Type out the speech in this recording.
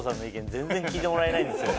全然聞いてもらえないんですよ。